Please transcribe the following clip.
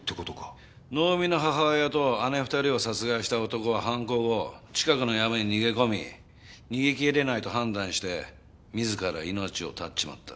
能見の母親と姉２人を殺害した男は犯行後近くの山に逃げ込み逃げきれないと判断して自ら命を絶っちまった。